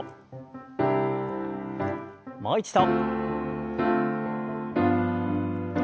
もう一度。